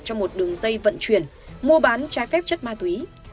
trong một đường dây vận chuyển mua bán trái phép chất ma túy